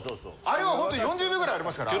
あれはほんとに４０秒ぐらいありますから。